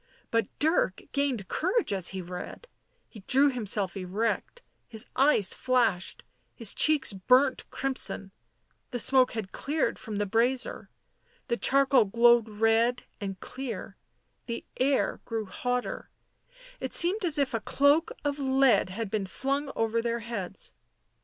But Dirk gained courage as he read ; he drew himself erect ; his eyes flashed, his cheeks burnt crimson ; the smoke had cleared from the brazier, the charcoal glowed red and clear ; the air grew hotter ; it seemed as if a cloak of lead had been flung over their heads.